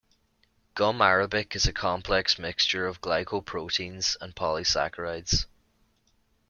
Gum arabic is a complex mixture of glycoproteins and polysaccharides.